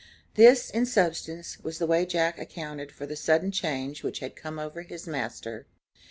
This in substance, was the way Jack accounted for the sudden change which had come over his master.